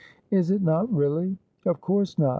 'Is it not really?' ' Of course not.